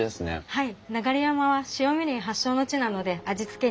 はい。